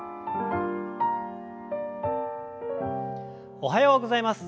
おはようございます！